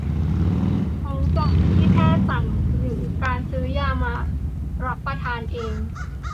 ทั้งจากที่แพทย์สั่งหรือการซื้อยามารับประทานเอง